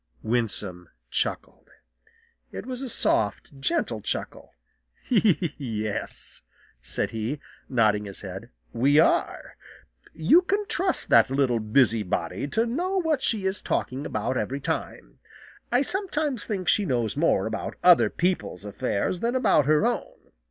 Winsome chuckled. It was a soft, gentle chuckle. "Yes," said he, nodding his head, "we are. You can trust that little busybody to know what she is talking about, every time. I sometimes think she knows more about other people's affairs than about her own.